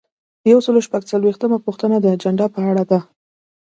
یو سل او شپږ څلویښتمه پوښتنه د اجنډا په اړه ده.